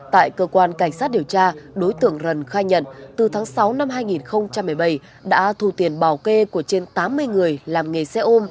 tại cơ quan cảnh sát điều tra đối tượng rần khai nhận từ tháng sáu năm hai nghìn một mươi bảy đã thu tiền bảo kê của trên tám mươi người làm nghề xe ôm